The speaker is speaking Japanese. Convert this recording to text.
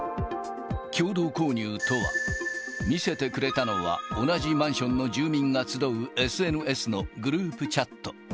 共同購入とは、見せてくれたのは、同じマンションの住民が集うＳＮＳのグループチャット。